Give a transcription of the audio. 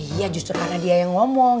dia justru karena dia yang ngomong